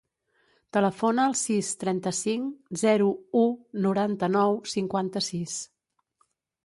Telefona al sis, trenta-cinc, zero, u, noranta-nou, cinquanta-sis.